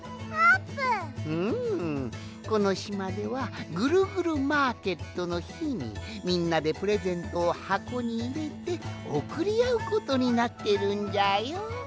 このしまではぐるぐるマーケットのひにみんなでプレゼントをはこにいれておくりあうことになってるんじゃよ。